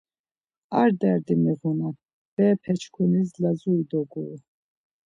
Ar derdi miğunan, berepeçkunis Lazuri doguru.